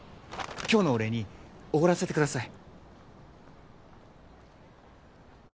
今日のお礼におごらせてください